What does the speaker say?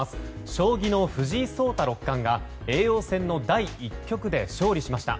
将棋の藤井聡太六冠が叡王戦の第１局で勝利しました。